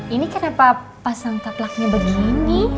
ini kenapa pasang kaplaknya begini